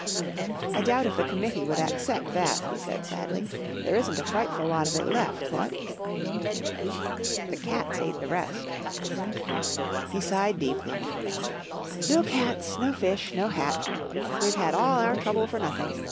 " I doubt if the committee would accept that," he said, sadly. 44 There isn't a fright¬ ful lot of it left, what ?" 44 The cats ate the rest." He sighed deeply. 44 No cats, no fish, no hat. We've had all our trouble for nothing.